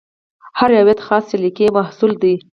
هر روایت خاصې سلیقې محصول دی.